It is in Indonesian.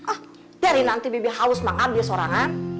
ah biarin nanti bibi haus manggar dia sorangan